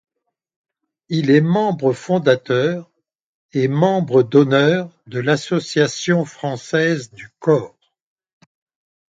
Il est membre fondateur et membre d'honneur de l'Association française du cor.